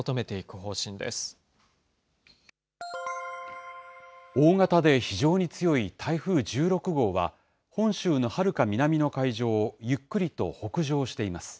大型で非常に強い台風１６号は、本州のはるか南の海上をゆっくりと北上しています。